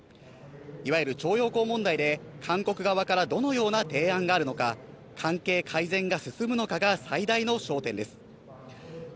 いわゆる徴用工問題で韓国側からどのような提案があるのか、関係改善が進むのかが最大の焦点です。